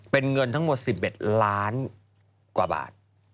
เป็นเงินทั้งหมด๑๑ล้านกว่าบาท